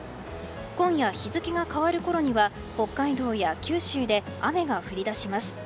今夜、日付が変わるころには北海道や九州で雨が降りだします。